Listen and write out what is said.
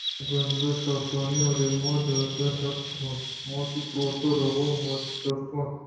بہ گندے سارٹونی ایمیلیا ءِ ودارءَ نشتگ اَت ءُوتی قلات ءِ روگئے مہتل داشتگ اَت